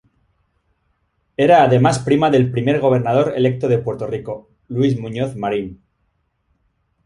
Era además prima del primer gobernador electo de Puerto Rico, Luis Muñoz Marín.